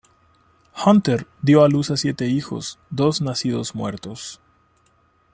Hunter dio a luz a siete hijos, dos nacidos muertos.